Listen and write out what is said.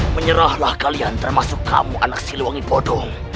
menyerahlah kalian termasuk kamu anak siliwangi bodong